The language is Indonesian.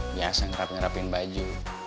biasa ngerap ngerapin baju